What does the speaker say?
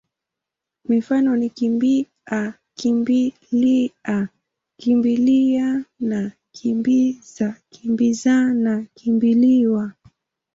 Mifano ni kimbi-a, kimbi-lia, kimbili-ana, kimbi-za, kimbi-zana, kimbi-liwa.